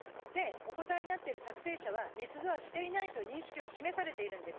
お答えになっている作成者はねつ造はしていないと認識を示されているんです。